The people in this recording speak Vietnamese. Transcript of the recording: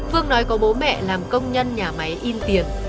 phương nói có bố mẹ làm công nhân nhà máy in tiền